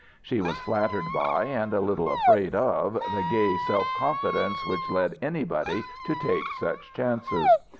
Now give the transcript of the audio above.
She was flattered by, and a little afraid of, the gay self confidence which led anybody to take such chances.